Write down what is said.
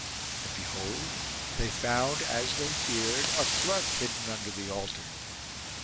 And behold they found, as they feared, a clerk hidden under the altar.